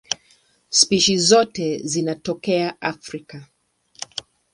Spishi zote zinatokea Afrika.